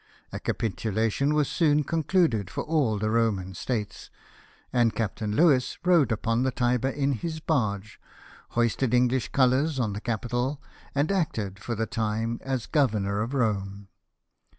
A capitulation was soon con cluded for all the Roman states, and Captain Louis rowed up the Tiber in his barge, hoisted English colours on the capitol, and acted for the time as governor of Rome.